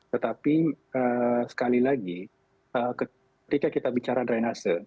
tetapi sekali lagi ketika kita bicara drainase